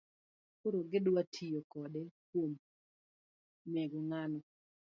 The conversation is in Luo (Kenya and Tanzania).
Koro gidwa tiyo kode kuom nego ng'ano